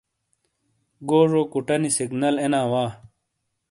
گوجوکُوٹہ نی سگنل اینا وا۔